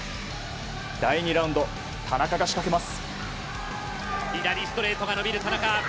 第２ラウンド、田中が仕掛けます。